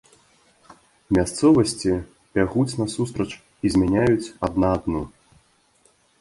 Мясцовасці бягуць насустрач і змяняюць адна адну.